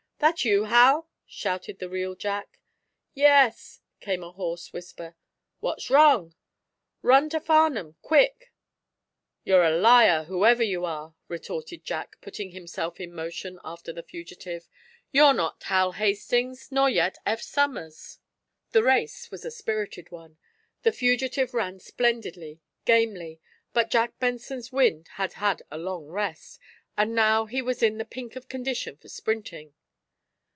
"That you, Hal?" shouted the real Jack. "Yes," came a hoarse answer. "What's wrong?" "Run to Farnum quick!" "You're a liar, whoever you are!" retorted Jack, putting himself in motion after the fugitive. "You're not Hal Hastings nor yet Eph Somers!" The race was a spirited one. The fugitive ran splendidly, gamely, but Jack Benson's wind had had a long rest, and now he was in the pink of condition for sprinting.